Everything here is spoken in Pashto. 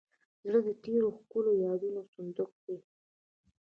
زړه د تېرو ښکلو یادونو صندوق دی.